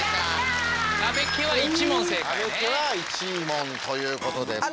安部家は１問ということで。